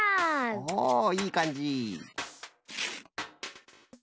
おおいいかんじ！